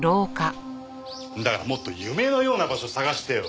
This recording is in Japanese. だからもっと夢のような場所探してよ。